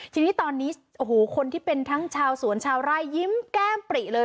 ทีนี้ตอนนี้โอ้โหคนที่เป็นทั้งชาวสวนชาวไร่ยิ้มแก้มปริเลย